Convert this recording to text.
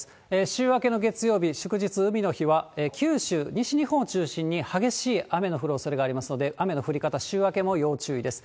週明けの月曜日、祝日海の日は、九州、西日本を中心に激しい雨の降るおそれがありますので、雨の降り方、週明けも要注意です。